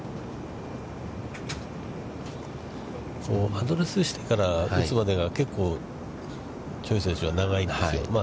アドレスしてから打つまでが結構チョイ選手は長いんですよ。